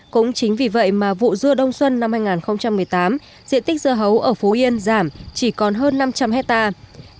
cũng chính vì vậy mà vụ dưa đông xuân năm hai nghìn một mươi tám diện tích dưa hấu ở phú yên giảm chỉ còn hơn năm trăm linh hectare